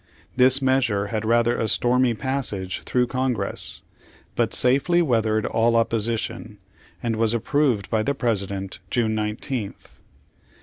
This measure had rather a stormy pas sage through Congress, but safely weathered all opposition, and was approved by the President June 19th.